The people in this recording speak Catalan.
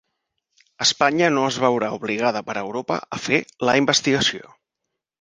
Espanya no es veurà obligada per Europa a fer la investigació